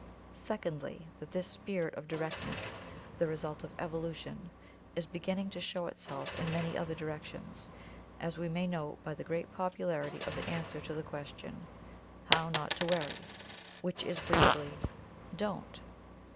Secondly, that this spirit of directness, the result of Evolution, is beginning to show itself in many other directions, as we may note by the great popularity of the answer to the question, "How not to worry," which is briefly, _Don't!